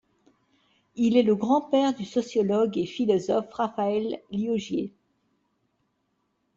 Il est le grand-père du sociologue et philosophe, Raphaël Liogier.